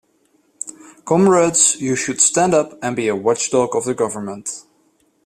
Comrades, you should stand up and be a watchdog of the government.